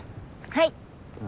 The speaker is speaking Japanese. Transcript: はい。